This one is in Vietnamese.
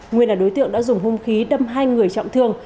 nguyên là đối tượng đã dùng hung khí đâm hai người trọng thương